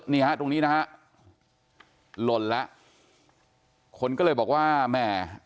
นี่ฮะตรงนี้นะฮะหล่นแล้วคนก็เลยบอกว่าแหม่